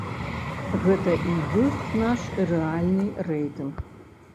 Гэта і ёсць наш рэальны рэйтынг.